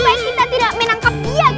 eh itu mana